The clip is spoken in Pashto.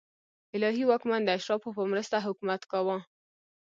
الهي واکمن د اشرافو په مرسته حکومت کاوه.